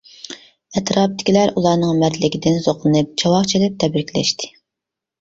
ئەتراپتىكىلەر ئۇلارنىڭ مەردلىكىدىن زوقلىنىپ چاۋاك چېلىپ تەبرىكلەشتى.